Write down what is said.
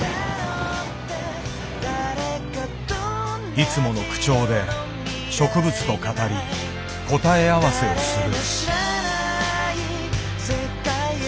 いつもの口調で植物と語り答え合わせをする。